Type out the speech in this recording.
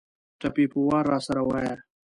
ټپې په وار راسره وايه